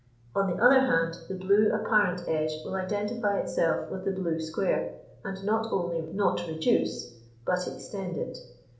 On the other hand, the blue apparent edge will identify itself with the blue square, and not only not reduce, but extend it.